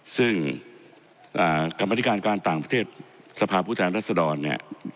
ซึ่งกรรมธิการการต่างประเทศสภาพผู้แทนรัศดรเนี่ย